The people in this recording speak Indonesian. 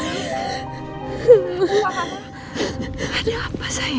aku akan mencoba untuk membuatmu ini